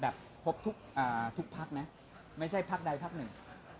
แบบพบทุกภักดิ์นะไม่ใช่ภักดิ์ใดภักดิ์หนึ่ง